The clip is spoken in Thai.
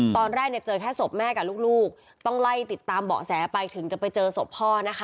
ตอนแรกเนี่ยเจอแค่ศพแม่กับลูกต้องไล่ติดตามเบาะแสไปถึงจะไปเจอศพพ่อนะคะ